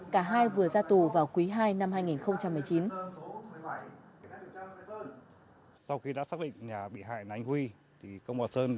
cả hai vừa ra tù vào quý ii năm hai nghìn một mươi chín